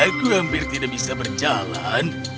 aku hampir tidak bisa berjalan